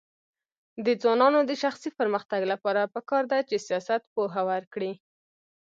د ځوانانو د شخصي پرمختګ لپاره پکار ده چې سیاست پوهه ورکړي.